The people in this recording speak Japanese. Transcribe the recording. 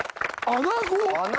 アナゴ。